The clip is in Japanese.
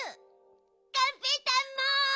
がんぺーたんも。